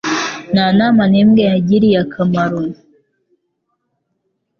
Nta nama n'imwe yagiriye akamaro.